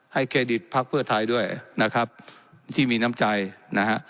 เครดิตภักดิ์เพื่อไทยด้วยนะครับที่มีน้ำใจนะฮะ